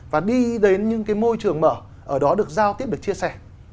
và đi đến những cái môi trường mở ở đó được giao tiếp được chia sẻ